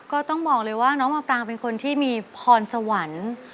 ก็ต้องบอกเลยว่าน้องมาปรางเป็นคนที่มีพรสวรรค์